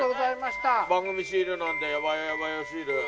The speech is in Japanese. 番組シールなんで「やばいよやばいよ」